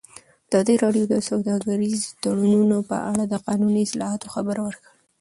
ازادي راډیو د سوداګریز تړونونه په اړه د قانوني اصلاحاتو خبر ورکړی.